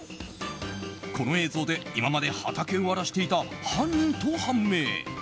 この映像で、今まで畑を荒らしていた犯人と判明。